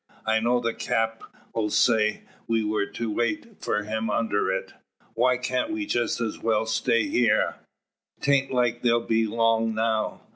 I know the Cap' sayed we were to wait for them under it. Why cant we just as well stay heer? 'Taint like they'll be long now.